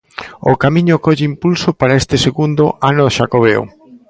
O Camiño colle impulso para este segundo ano Xacobeo.